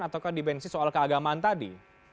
ataukah dimensi soal keagamaan tadi